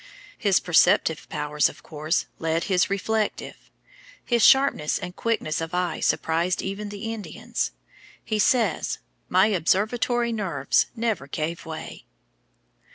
His perceptive powers, of course, led his reflective. His sharpness and quickness of eye surprised even the Indians. He says: "My observatory nerves never gave way."